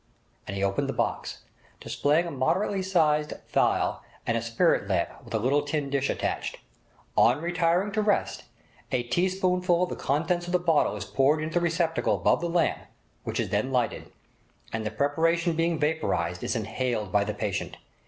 And he opened the box, displaying a moderate sized phial and a spirit lamp with a little tin dish attached. 'On retiring to rest, a teaspoonful of the contents of the bottle is poured into the receptacle above the lamp, which is then lighted, and the preparation being vaporized is inhaled by the patient.